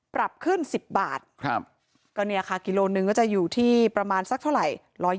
ปรับขึ้น๑๐บาทก็เนี่ยค่ะกิโลหนึ่งก็จะอยู่ที่ประมาณสักเท่าไหร่